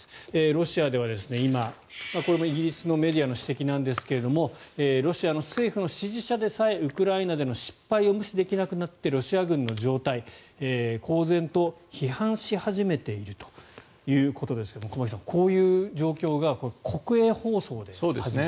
ロシアでは今、これもイギリスのメディアの指摘なんですがロシアの政府支持者でさえウクライナでの失敗を無視できなくなってロシア軍の状態公然と批判し始めているということですが駒木さん、こういう状況が国営放送で始まっている。